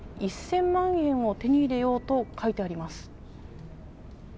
１０００万円を手に入れようと書いてあります。